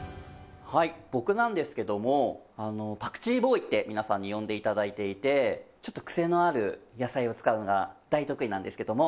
僕なんですけども「パクチーボーイ」って皆さんに呼んで頂いていてちょっとクセのある野菜を使うのが大得意なんですけども。